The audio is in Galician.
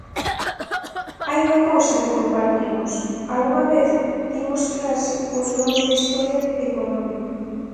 Hai unha cousa que compartimos, algunha vez dimos clase os dous de historia económica.